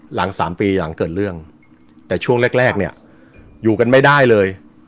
หลังสามปีหลังเกิดเรื่องแต่ช่วงแรกแรกเนี่ยอยู่กันไม่ได้เลย